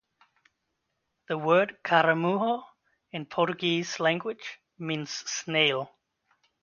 The word "caramujo" in Portuguese language means snail.